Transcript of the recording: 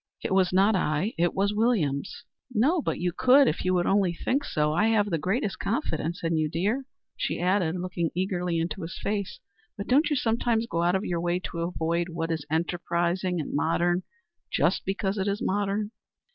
"It was not I, it was Williams." "No, but you could, if you would only think so. I have the greatest confidence in you, dear," she added, looking eagerly into his face; "but don't you sometimes go out of your way to avoid what is enterprising and er modern, just because it is modern?"